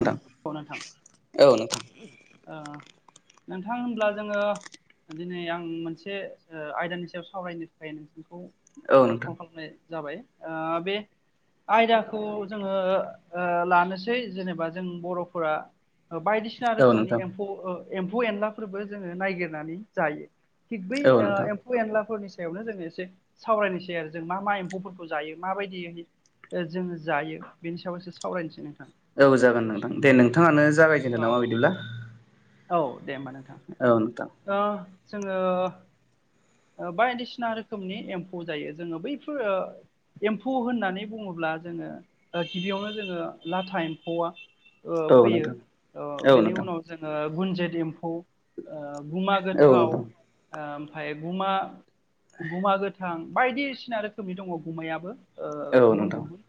औ थां नोंथां औ नोंथां। ओ। नोंथां होनब्ला जोंङो दिनै आं मोनसे ओ आयदानि सायाव सावरायनो थाखाय नों। नोंखौ औ ओ कल खालामनाय जाबाय ओ बे। आयदाखौ जोंङो ओ लानोसै जेनेबा जों बर'फोरा। ओ बायदि खोमनि नोंथां एम्फौ ओ एम्फौ एनलाफोरबो जोंङो नायगिरनानै जायो। थिग बै औ ओ नोंथां एम्फौ एनलाफोरनिसि। एयावनो जोंङो एसे सावरायनोसै आरो जों मा मा एम्फौफोरखौ जायो माबायदियै। ओ जोंङो जायो बेनि सायाव एसे सावरायनोसै नों। औ जागोन नोंथां दे नोंथांङानो जागायजेनदों नामा औ बिदिब्ला। औ दे ओमबा नोंथां औ नोंथां ओ जोंङो। ओ बायदिसिना रोखोमनि एम्फौ जायो जोंङो बैफोर ओ एम्फौ होननानै बुंङो। अब्ला जोंङो ओ गिबियावनो जोंङो लाथा एम्फौआ ओ औ फैयो नोंथां ओ औ बेनि नोंथां उनाव जोङो गुन्जेत एम्फौ ओ गुमा औ गोथाव नोंथां ओमफाय गुमा-गुमा गोथां बायदिसिना रोखोमनि दङ' गुमायाबो ओ औ नोंथां औ गुबुन नोंथां गुबुन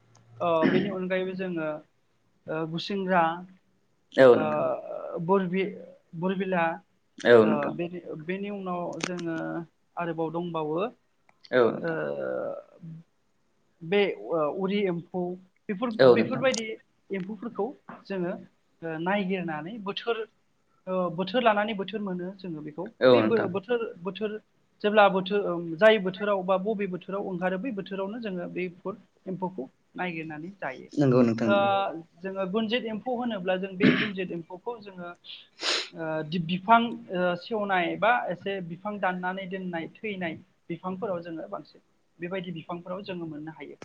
बेनि ओ अनगायैबो जोङो ओ गुसिंग्रा औ नोंथां ओ बरबि-बरबिला औ ओ नोंथां बेनि बेनि उनाव जोङो आरोबाव दंबावो ओ बे ओ उरि एम्फौ औ नोंथां बेफोर-बेफोरबायदि एम्फौफोरखौ जोङो ओ नायगिरनानै बोथोर ओ बोथोर लानानै बोथोर मोनो जोङो बेखौ औ बे नोंथां बो-बोथोर बोथोर जेब्ला बोथो ओ जाय बोथोराव बा बबे बोथोराव ओंखारो बै बोथोरावनो जोङो बेफोर एम्फौखौ नायगिरनानै जायो नंगौ नोंथां ओ नंगौ जोङो गुन्जित एम्फौ होनोब्ला जों बे गुन्जित एम्फौखौ जोङो ओ दि बिफां ओ सेवनाय बा एसे बिफां दाननानै दोननाय थैनाय बिफांफोराव जोङो बांसिन बेबायदि बिफांफोराव जों मोननो हायो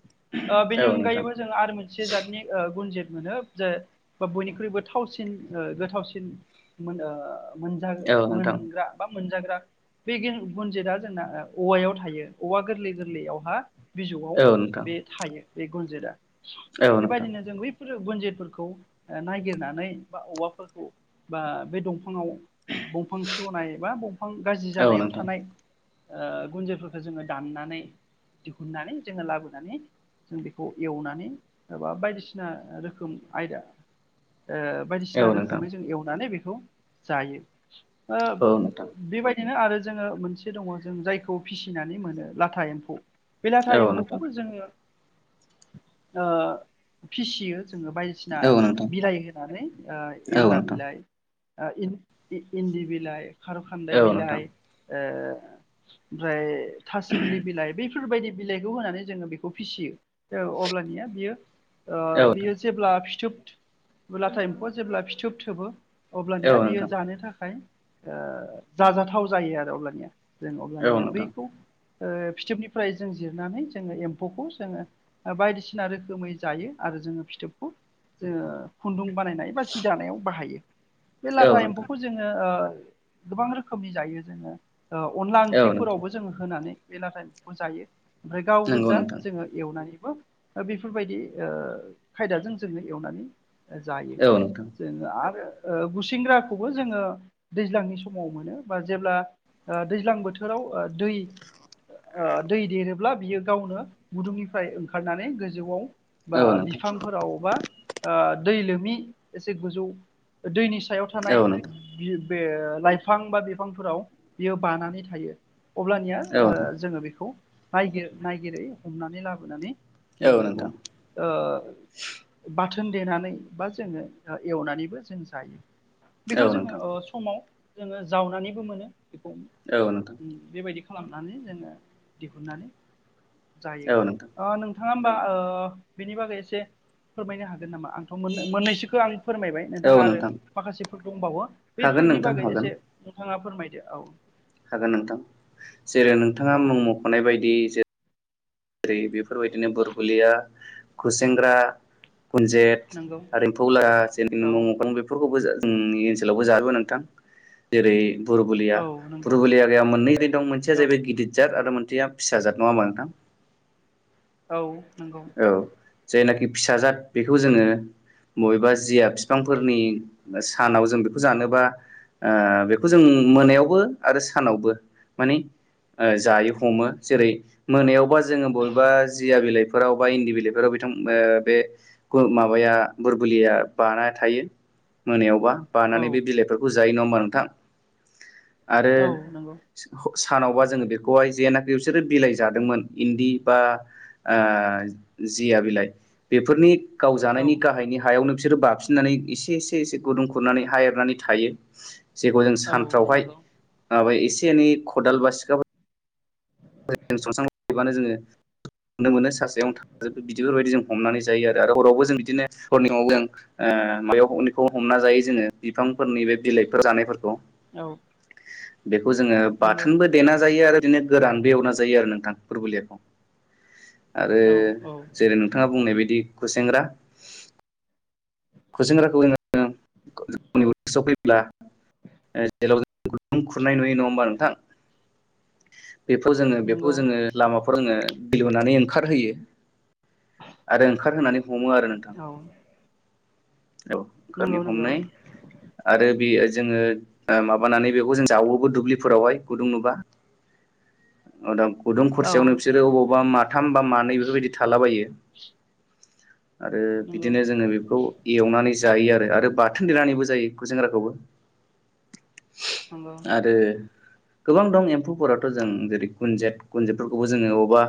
ओ औ बेनि नोंथां अनगायैबो जोङो आरो मोनसे जातनि ओ गुनजित मोनो जे बा बयनिख्रुइबो थावसिन ओ गोथावसिन मोनो मोनजा ओ औ नोंथां मोनग्रा बा मोनजागोन बे गेन गुनजेतआ जोंना ओ औवायाव थायो औवा गोरलै गोरलैयावहा बिजौआव औ नोंथां बे थायो बे गुन्जिता औ नोंथां बेबायदिनो जों बै फोरो गुनजेरफोरखौ ओ नागिरनानै बा औवाफोरखौ बा बे दं फांआव दंफां सेवनाय बा बंफां गाज्रि औ जानायाव नोंथां थानाय ओ गुुनजेरफोरखो जोङो दाननानै दिहुननानै जोङो लाबोनानै जों बेखौ एवनानै एबा बायदिसिना रोखोम आयदा ओ बायदिसिना औ नोंथां औ नोंथां रोखोमै जों एवनानै बेखौ जायो ओ औ नोंथां बेबायदि दिनो आरो जोङो मोनसे दङ' जों जायखौ फिसिनानै मोनो लाथा एम्फौ बे लाथा औ नोंथां एम्फौखौबो जोङो ओ फिसियो जोङो बायदिसिना औ नोंथां औ नोंथां बिलाइ होनानै ओ एन्दा औ नोंथां बिलाइ ओ इन-इन्दि बिलाइ खार' खान्दाय औ नोंथां औ नोंथां बिलाइ ओ ओमफ्राय थासिमलि बिलाइ बे फोरबायदि बिलाइखौ होनानै जोङो बेखौ फिसियो औ अब्लानिया बियो ओ बेयो जेब्ला फिथोब लाथा एम्फौआ जेब्ला फिथोब थोबो अब्लानिया बियो जानो थाखाय ओ जाजाथाव जायो आरो अब्लानिया जों अब्लानिया बैखौ ओ फिथोबनि फ्राय जों जिरनानै जोङो एम्फौखौ जोङो ओ बायदिसिना रोखोमै जायो आरो जोङो फिथोबखौ जोङो खुन्दुं बानायनाय बा जि दानायाव बाहायो बे औ लाथा नोंथां एम्फौखौ जोङो ओ गोबां रोखोमनि जायो जोङो ओ अनला औ नोंथां ओंख्रिफोरावबो जोङो होनानै बे लाथा जायो ओमफ्राय गाव नंगौ गोजा नोंथां जोङो एवनानै बो ओ बेफोरबायदि ओ खायदाजों जोङो एवनानै जायो औ नोंथां जोङो आरो ओ गुसिंग्राखौबो जोङो दैज्लांनि समाव मोनो बा जेब्ला ओ दैज्लां बोथोराव ओ दै ओ दै देरोब्ला बियो गावनो गुदुंनिफ्राय ओंखारनानै गोजौआव औ बा नोंथां बिफांफोराव बा ओ दै लोमि एसे गोजौ दैनिस सायाव थानाय औ नोंथां बियो‌ बे लाइफां बा बिफांफोराव बियो बानानै थायो अब्लानिया औ ओ खौ नायगिर-नायगिरै हमनानै लाबोनानै जोङो बेखौ नोंथां ओ बा थोन देनानै बा जोङो एवनानैबो जों जायो औ बेखौ जोङो नोंथां ओ समाव जोङो जावनानैबो मोनो बेखौ औ नोंथां औ नोंथां बेबायदि खालामनानै जोङो दिहुननानै जायो अ नोंथां। नङा होमबा ओ बेनि बागै एसे फोरमायनो हागोन नामा? आंथ' मोन मोननैसोखौ आं फोरमायबाय नोंथाङा औ आरो नोंथां माखासेफोर दंबावो हागोन बैफोरनि नोंथां बागै हागोन एसे नोंथाङा फोरमायदो औ। हागोन नोंथां जेरै नोंथाङा औ मुं मख'नाय बायदि जेरै बेफोरबायदिनो बुरबुलिया, खुसेेंग्रा, गुनजेत नंगौ आरो एम्फौ ला जेन औ [unintelligible] बेफोरखौबो जोंनि ओनसोलावबो जाजोबो नोंथां जेरै बुरबलिया औ नंगौ बुबलियाया मोननै जात दं मोनसेया औ जाहैबाय गिदिर जार आरो मोनसेया फिसा जाद नङा होनबा नोंथां? औ नंगौ औ जायनाखि फिसा जाद बेखौ जोङो बबेबा जिया बिफांफोरनि सानाव जों बेखौ जानोबा ओ बेखौ जों मोनायावबो आरो सानावबो मानि ओ जायो हमो। जेरै मोनायावबा जोङो बबेबा जिया बिलाइ फोराव बा इन्दि बिलफोराव बिथां बे माबाया बुरबुलिया बाना थायो। मोनायावबा औ बानानै बे बिलाइफोरखौ जायो नङा होमबा नोंथां। आरो औ नंगौ सानावबा जोङो बेखौहाय जेन बिसोरो बिलाइ जादोंमोन इन्दि बा आ जिया बिलाइ बेफोरनि गाव औ जानायनि गाहायनि हायावनो बिसोरो बाफिननानै एसे एसे एसे गुदुं खुरनानै हा एरनानै थायो। जेखौ जों औ सानफ्रावहाय नंगौ माबाय एसे एनै खदाल बा सिखा फोरजों सनस्रांबानो जोङो नुनो मोनो सासायावनो थाजोब बिदिफोरबायदि जों हमनानै जायो आरो हरावबो जों [unintelligible] ओ [unintelligible] हमना जायो जोङो बिफांफोरनि बे बिलाइफोर जानायफोरखौ। औ बेखौ जोङो नंगौ बाथोनबो देना जायो आरो बिदिनो गोरानबो एवना जायो आरो नोंथां बुरबुलियाखौ। आरो औ औ जेरै नोंथाङा बुंनाय बायदि खुसेेंग्रा खुसेंग्राखौ जोङो नि [unintelligible] उसआव फैब्ला जेलाव गुदुं खुरनाय नुयो नङा होमबा नोंथां। [inaudible] बेखौ जोङो बेखौ नंगौ जोङो लामाफोराव जोङो दै लुनानै ओंखारहोयो। आरो ओंखारहोनानै हमो आरो नोंथां। औ औ नंगौ ओंखारनो नंगौ हमनाय आरो बे जोङो माबानानै बेखौ जों जावो। बा दुब्लिफोरावहाय गुदुं नुबा दा गुदुं औ खरसेयावनो बिसोरो अबावबा माथाम, बा मानै बेफोरबायदि थालाबायो। आरो नंगौ बिदिनो जोङो बेखौ हनानै जायो आरो बाथोन देनानैबो जायो खुसेंग्राखौबो। आरो गोबां दं एम्फौफोरावथ' जों जेरै गुनजेत। गुनजेतफोरखौबो जोङो अबावबा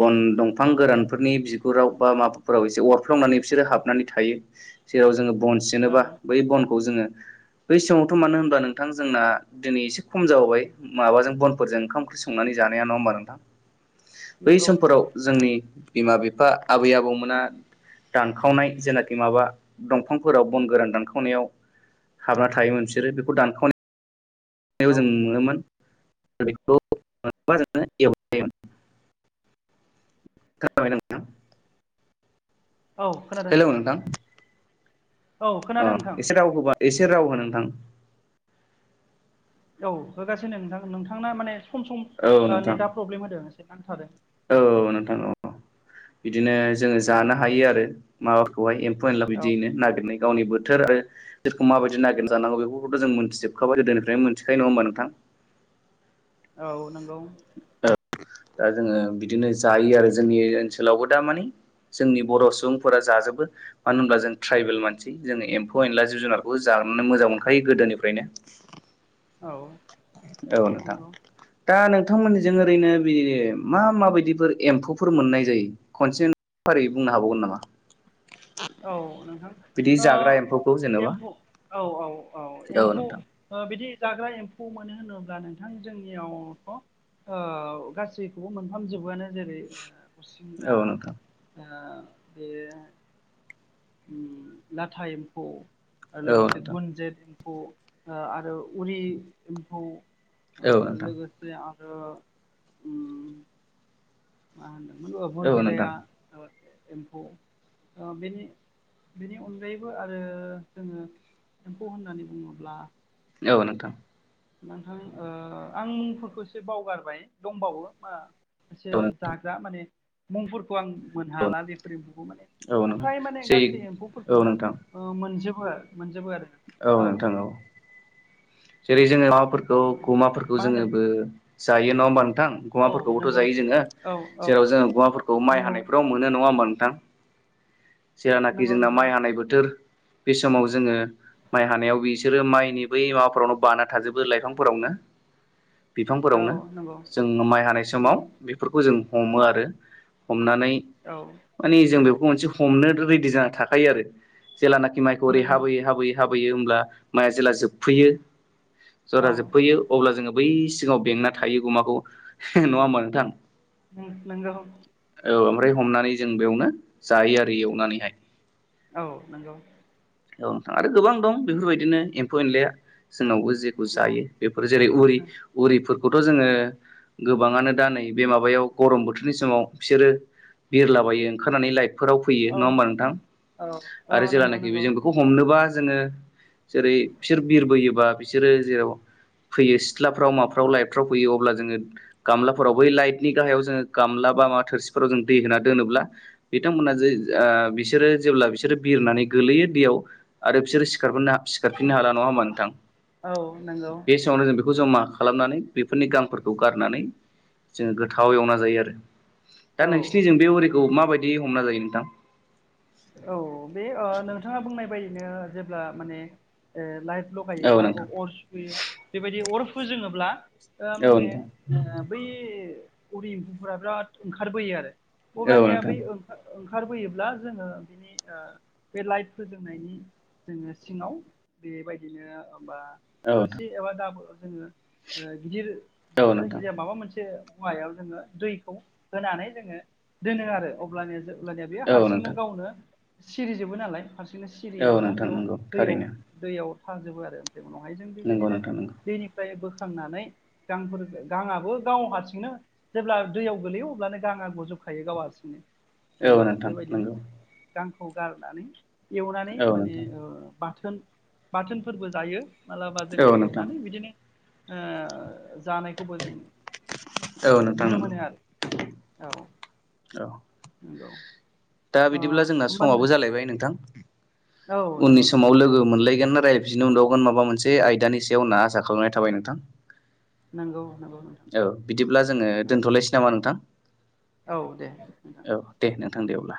बन दंफां गो रानफोरनि बिगुराव बा माबाफोराव एसे अरफ्लंनानै बिसोरो हाबनानै थायो। जेराव जोङो बन औ सिनोबा बै बनखौ जोङो बै समावथ' मानो होनबा नोंथां जोंना दिनै एसे खम जाबोबाय माबाजों बनफोरजों ओंखाम ओंख्रि संनानै जानाया नङा होनबा नोंथां? बै नंगौ समफोराव नंगौ जोंनि बिमा-बिफा, आबै-आबौमोना दानखावनाय जेना खि माबा दंफांफोराव बन गोरान दानखावनायाव हाबना थायोमोन बिसोरो बेखौ दानखावनायाव औ जों मोनोमोन। आरो बेखौ [unintelligible] खोनाबाय नोंथां? औ खोनादों नोंथां। औ खोनादों अह नोंथां एसे राव होबा एसे राव हो नोंथां। औ होगासिनो नोंथां। नोंथांना माने सम सम औ ओ नोंथां नेदा प्रब्लेम होदों एसे नांथादों। औ नोंथां औ बिदिनो जोङो औ जानो हायो आरो माबाखौहाय एम फौ एनला औ बिदियैनो नागिरनाय गावनि बोथोर आरो [unintelligible] माबायदि नागिरना जानांगौ बेफोरखौथ जों मोनथिजोबखाबाय गोदोनिफ्रायनो मोनथिखायो, नङा होमबा नोंथां? औ नोंगौ। दा जोङो बिदिनो जायो आरो जोंनि ओनसोलावबो दा माने जोंनि बर' सुबुंफोरा जाजोबो। मानो होनब्ला जों ट्राइबेल मानसि जोंङो एम्फौ एनला जिब जुनारखौ जा ओरैनो मोजां मोनखायो गोदोनिफ्रायनो। [inaudible] औ नोंथां। नंगौ दा नोंथांमोननिजों ओरैनो बि मा माबायदिफोर एम्फौफोर मोननाय जायो खनसे फारियै बुंनो हाबावगोन नामा? औ नोंथा़ं। बिदि ओ जाग्रा एम्फौखौ जेनेबा एमफौ औ औ औ एम्फौ ओ बिदि जाग्रा एम्फौ मोनो होनोब्ला नोंथां जोंनियावथ' ओ गासैखौबो मोनफामजोबोआनो, जेरै औ खुसिंग्रा नोंथां ओ बे लाथा एम्फौ आरो औ लोगोसे नोंथां गुनजेद फौ आरो उरि एम्फौ औ ओ नोंथां लोगोसे आ मा होनदोंमोन औ बुरबेलिया नोंथां ओ एम्फौ बेनि बेनि अनगायैबो आरो जोङो एम्फौ होननानै बुङोब्ला औ नोंथां। नोंथां ओ आं मुंफोरखौ एसे बावगारबाय दंबावो मा एसे औ जाग्रा माने मुंफोर खौ आं मोनहाला बेफोर एम्फौखौ माने। नोंथां ओमफाय माने जै गासै औ एम्फौफोरखोनो नोंथां ओ मोनजोब बो मोनजोबो आरो औ। जेरै जोङो माबाफोरखौ गुमाफोरखौ मा होनो जोङोबो जायो नङा होमबा नों थां, औ गुमाफोरखौबोथ' नंगौ जायो नोंथां जोङो औ औ जेराव जोङो गुमाफोरखौ माइ नंगौ हानायफ्राव मोनो नङा होमबा नोंथां? जेयानाखि नंगौ जोंना नंगौ माइ हानाय बोथोर बे समाव जोङो माइ हानायाव बिसोरो माइनि बै माबा फोसावनो बाना थाजोबो लाइफांफोरावनो। औ बिफांफोरावनो। नंगौ जों माइ हानाय समाव उम बेफोरखौ जों हमो आरो हम नानै औ माने जों बेखौ मोनसे हमनो रेडि जाना थाखायो आरो। जेलानाखि माइखौ ओरै नंगौ हाबोयै हाबोयै हाबोयो होमब्ला माया जेला जोबफैयो जरा औ जोबफैयो अब्ला जोङो बै सिगाङाव बेंना थायो गुमाखौ, नङा होमबा नोंथां? ओं नोंगौ। औ ओमफ्राय हमनानै जों बेयावनो जायो आरो एवनानैहाय। औ नंगौ औ नोंथां आरो गोबां दं बेफोरबायदिनो एम्फौ एनलाया। जोंनावबो जेखौ जायो बेफोर जेरै उरि उरिफोर खौथ' जोङो गोबाङानो दा नै बे माबायाव गरम बोथोरनि समाव फिसोरो बिरलाबायो ओंखारनानै लाइट फोराव फैयो औ नङा होमबा नोंथां औ औ आरो नंगौ जेलानाखि नंगौ जों बेखौ हमनोबा जोङो जेरै फिसोर बिरबोयोबा बिसोरो जेराव फैयो सिथ्लाफ्राव माफ्राव लाइटफ्राव फैयो अब्ला जोङो गामलाफोराव बै लाइटनि गाहायाव जोङो गामला बा माबा थोरसिफोराव जों दै होना दोनोब्ला बिथांमोना जे ओ बिसोरो जेब्ला बिसोरो बिरनानै गोलैयो दैयाव आरो फिसोरो सिखारबोनो सिखारफिननो हाला, नङा होमबा नोंथां? औ नोंगौ। बे समावनो जों बेखौ जमा खालामनानै बेफोरनि गांफोरखौ गारनानै जोङो गोथाव एवना जायो आरो दा औ नोंसोरनिजों बे उरिखौ माबायदि दि हमना जायो नोंथां औ बे नोंथाङा बुंनाय बायदिनो जेब्ला माने ओ लाइट औ लगायोबा नोंथां अर सुयो बेबायदि अर फोजोङोब्ला दा औ माने नोंथां बै उरि एम्फौफोरा बिराद ओंखारबोयो आरो औ अब्लानिया नोंथां बै ओं-ओंखारबोयोब्ला जोङो बेनि ओ लाइट फोजोंनायनि जोङो सिङाव बेबायदिनो बा औ नोंथां थोरसि एबा दाबोर जोङो गिदिर औ नोंथां जायखिजाया माबा मोनसे मुवायाव जोङो दैखौ होनानै जोङो दोनो आरो अब्लानो अब्लानिया बेयो औ हारसिंनो नोंथां गावनो सिरिजोबो नालाय हारसिंनो औ सिरियोब्ला नोंथां बेयाव नंगौ दैयाव थारैनो दैयाव थाजोबो आरो उनावहाय जों नंगौ बेबायदिनो नोंथां नंगौ दैनिफ्राय बोखां नानै गां-गांआबो गाव हारसिंनो जेब्ला दैयाव गोलैयो अब्लानो गांआ गजोब खायो गाव हारसिंनो ओ औ नोंथां बेबायदिनो नंगौ। जोङो गांखौ गारनानै एवनानै औ माने नोंथां बाथोन-बाथोनफोरबो जायो। माब्लाबा औ जोङो नोंथां एवनानै बिदिनो ओ जानायखौबो जों औ माने नोंथां नुनो नंगौ मोनो आरो औ औ नंगौ। दा ओ बिदिब्ला जोंना होमबा औ उननि नंगौ नोंथां समाव दे लोगो मोनलायगोन राय जिनाव [unintelligible] माबा मोनसे आयदानि सायाव होनना आसा खालामनाय थाबाय नोंथां नंगौ नंगौ। नोंथां औ बिदिब्ला जोङो औ दोनथ'लायसै नामा नोंथां। औ दे नोंथां औ दे नोंथां दे अब्ला